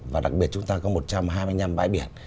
và đặc biệt chúng ta có một trăm hai mươi năm bãi biển